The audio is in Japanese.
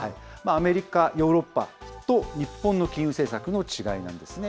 アメリカ、ヨーロッパと日本の金融政策の違いなんですね。